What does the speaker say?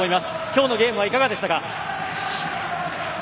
今日のゲームはいかがでしたか？